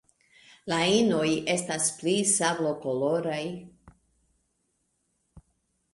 La inoj estas pli sablokoloraj.